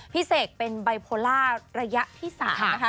พี่เสกเป็นบายโพลาระยะที่๓นะคะ